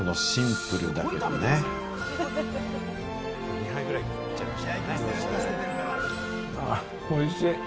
２杯ぐらい行っちゃいました。